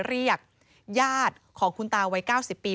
เรียกยาดของคุณตาวหาย๙๐ปี